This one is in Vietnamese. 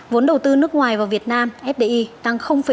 vốn đầu tư nước ngoài vào việt nam fdi tăng bốn